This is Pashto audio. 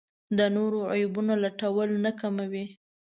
د نورو عیبونو لټول نه کموي.